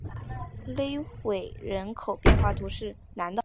勒韦人口变化图示